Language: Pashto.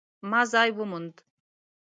ما ځای وموند